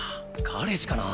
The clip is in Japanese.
彼氏かな？